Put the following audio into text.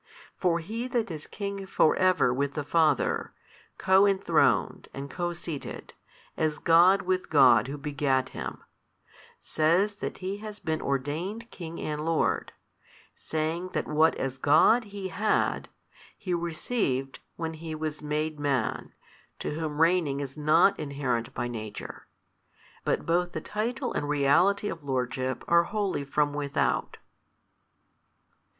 For He That is King for ever with the Father, Co enthroned and Co seated, as God with God who begat Him, says that He has been ordained King and Lord, saying that what as God He had, He received when He was made Man to whom reigning is not inherent by nature, but both the title and reality of lordship are wholly from without.